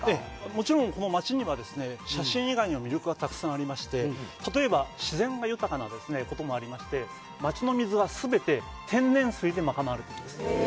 もちろん、この町にはですね、写真以外にも魅力がたくさんありまして、例えば自然が豊かなこともありまして、町の水はすべて天然水で賄われてるんです。